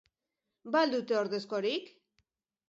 Ba al dute ordezkorik?